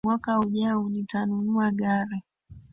Mwaka ujao nitanunua gari